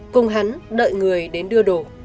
cùng hắn đợi người đến đưa đồ